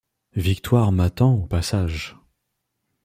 Victoire m’attend au passage